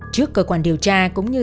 trước cơ quan điều tra cũng như